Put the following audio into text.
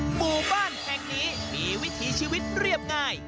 หมู่บ้านแห่งนี้มีวิถีชีวิตเรียบง่าย